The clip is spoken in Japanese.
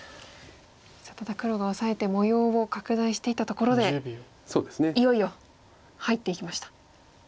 ただ黒がオサえて模様を拡大していったところでいよいよ入っていきました。